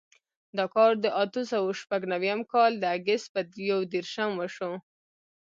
دا کار د اتو سوو شپږ نوېم کال د اګست په یودېرشم وشو.